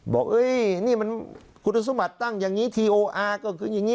บอกนี่มันคุณสมบัติตั้งอย่างนี้ทีโออาร์ก็คืออย่างนี้